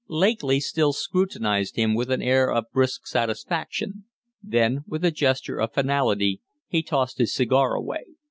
Lakely still scrutinized him with an air of brisk satisfaction; then with a gesture of finality he tossed his cigar away.